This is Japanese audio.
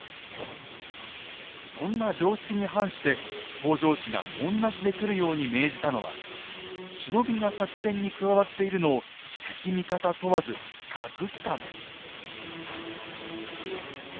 そんな常識に反して北条氏が紋なしで来るように命じたのは忍びが作戦に加わっているのを敵味方問わず隠すため。